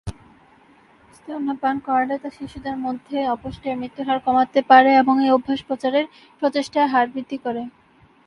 স্তন্যপান করালে, তা শিশুদের মধ্যে অপুষ্টি ও মৃত্যুর হার কমাতে পারে, এবং এই অভ্যাস প্রচারের প্রচেষ্টা হার বৃদ্ধি করে।